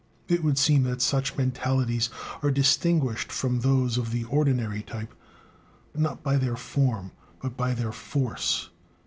It would seem that such mentalities are distinguished from those of the ordinary type, not by their form, but by their "force."